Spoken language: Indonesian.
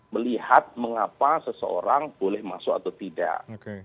melihat mengapa seseorang boleh masuk atau tidak